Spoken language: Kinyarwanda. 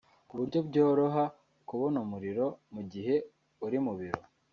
ku buryo byoroha kubona umuriro mu gihe uri mu biro